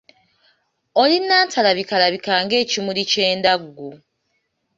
Oli nnantalabikalabika ng'ekimuli ky'endaggu.